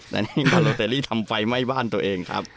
และนี่คือลอตเตอรี่ทำไฟไหม้บ้านตัวเองครับ